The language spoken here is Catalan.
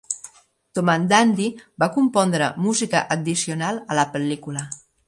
Tomandandy va compondre música addicional a la pel·lícula.